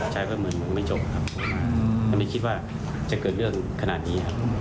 ใช่ครับเผื่อเงินไม่จบไม่คิดว่าจะเกิดเรื่องขนาดนี้ครับ